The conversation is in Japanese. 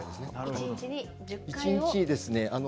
１日ですね